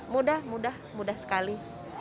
mudah mudah mudah sekali